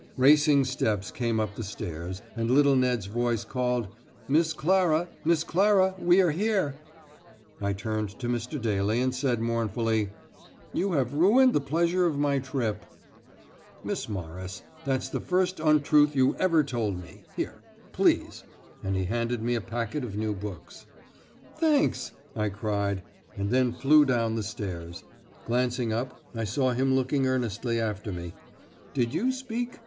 Racing steps came up the stairs, and little Ned's voice called: "Miss Clara. Miss Clara, We are here!" I turned to Mr. Daly and said mournfully: "You have ruined the pleasure of my trip." "Miss Morris, that's the first untruth you ever told me. Here, please" and he handed me a packet of new books. "Thanks!" I cried and then flew down the stairs. Glancing up, I saw him looking earnestly after me. "Did you speak?"